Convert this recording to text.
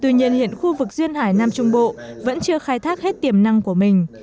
tuy nhiên hiện khu vực duyên hải nam trung bộ vẫn chưa khai thác hết tiềm năng của mình